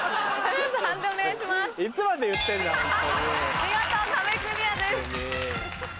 見事壁クリアです。